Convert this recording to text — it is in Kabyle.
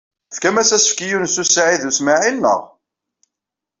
Tefkamt-as asefk i Yunes u Saɛid u Smaɛil, naɣ?